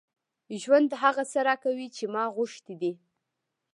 ژوند هغه څه راکوي چې ما غوښتي دي.